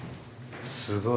すごい。